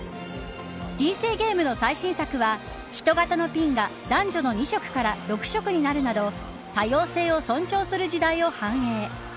人生ゲームの最新作は人型のピンが、男女の２色から６色になるなど多様性を尊重する時代を反映。